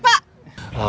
apaan sih pak